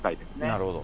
なるほど。